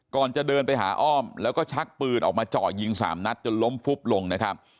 ก่อนจะเดินไปหาอ้อมแล้วก็ชักปืนออกมาเจาะยิงสามนัดจนล้มฟุบลงนะครับ